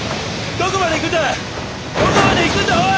どこまで行くんだおい！